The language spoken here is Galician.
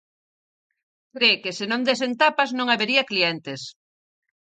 Cre que se non desen tapas non habería clientes.